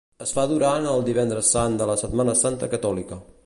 Es fa durant el Divendres Sant de la Setmana Santa catòlica.